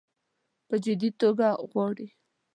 په جدي توګه غواړي.